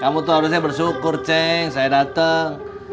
kamu tuh harusnya bersyukur cing saya dateng